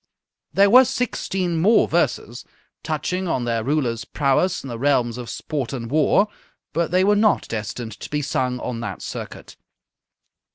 "_ There were sixteen more verses, touching on their ruler's prowess in the realms of sport and war, but they were not destined to be sung on that circuit.